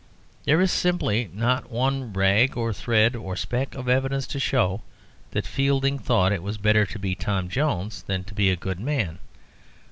There is simply not one rag or thread or speck of evidence to show that Fielding thought that it was better to be Tom Jones than to be a good man.